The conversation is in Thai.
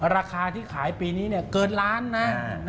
ราคาที่ขายปีนี้เกินล้านนะ